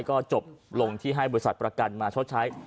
ก็จบลงที่ให้บริษัทประกันมาชดใช้